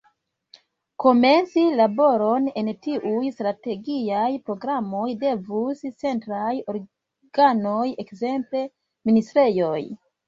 Komenci laboron en tiuj strategiaj programoj devus centraj organoj, ekzemple ministrejoj.